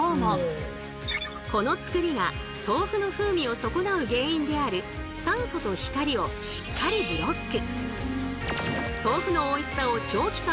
この作りが豆腐の風味を損なう原因である酸素と光をしっかりブロック。